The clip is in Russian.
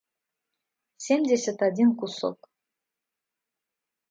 семьдесят один кусок